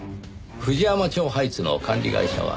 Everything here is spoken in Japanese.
藤山町ハイツの管理会社は？